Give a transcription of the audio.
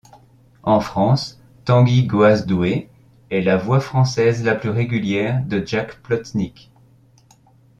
En France, Tanguy Goasdoué est la voix française la plus régulière de Jack Plotnick.